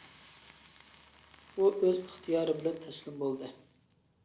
ئۇ ئۆز ئىختىيارى بىلەن تەسلىم بولدى.